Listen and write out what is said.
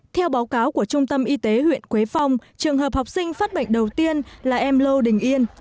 theo báo cáo của trung tâm y tế huyện quế phong trường hợp học sinh phát bệnh đầu tiên là em lô đình yên